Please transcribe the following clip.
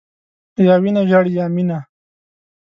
یا وینه ژاړي، یا مینه.